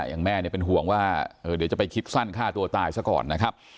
อย่างแม่เนี่ยเป็นห่วงว่าเดี๋ยวจะไปคิดสั้นฆ่าตัวตายซะก่อนนะครับ